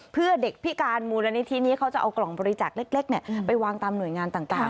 เพื่อเด็กพิการมูลนิธินี้เขาจะเอากล่องบริจาคเล็กไปวางตามหน่วยงานต่าง